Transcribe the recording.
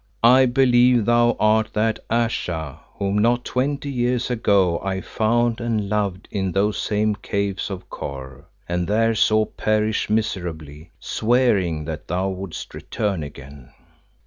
I believe thou art that Ayesha whom not twenty years ago I found and loved in those same Caves of Kôr, and there saw perish miserably, swearing that thou wouldst return again."